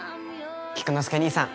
菊之助兄さん